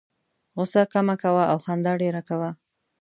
غوسه کمه کوه او خندا ډېره کوه.